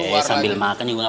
eh sambil makan juga